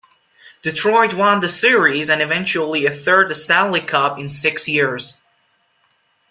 Detroit won the series and eventually a third Stanley Cup in six years.